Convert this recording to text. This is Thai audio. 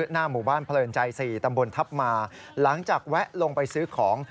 หน้าหมู่บ้านเพลินใจ๔ตำบลทัพมาหลังจากแวะลงไปซื้อของ